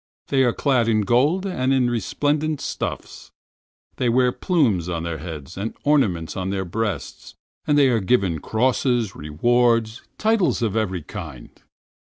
They are clad in gold and in resplendent garments; they wear plumes on their heads and ornaments on their breasts, and they are given crosses, rewards, titles of every kind.